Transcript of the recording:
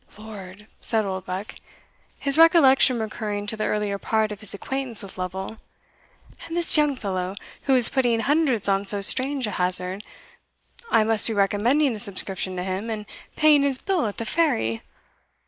"Lord!" said Oldbuck, his recollection recurring to the earlier part of his acquaintance with Lovel; "and this young fellow, who was putting hundreds on so strange a hazard, I must be recommending a subscription to him, and paying his bill at the Ferry!